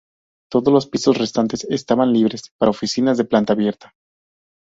Todos los pisos restantes estaban libres para oficinas de planta abierta.